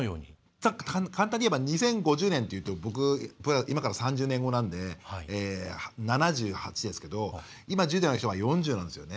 簡単に言えば２０５０年というと僕、今から３０年後なので７８ですけど、今１０代の人は４０なんですよね。